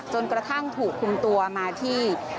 จนกระทั่งถูกคุมตัวมาที่